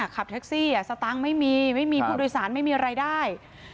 ขับแท็กซี่สตางค์ไม่มีไม่มีผู้โดยสารไม่มีรายได้